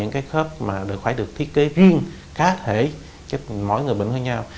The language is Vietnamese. các khớp phải được thiết kế riêng khá thể cho mỗi người bệnh hơn nhau